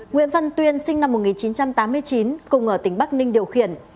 nguyễn văn tuyên sinh năm một nghìn chín trăm tám mươi chín cùng ở tỉnh bắc ninh điều khiển